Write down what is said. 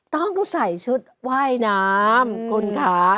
ต้องใส่ชุดว่ายน้ำคุณค่ะ